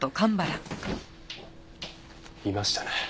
いましたね。